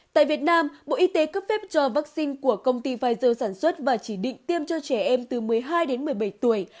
tại việt nam bộ y tế cấp phép cho vaccine của công ty pfizer sản xuất và chỉ định tiêm cho trẻ em từ một mươi hai đến một mươi bảy tuổi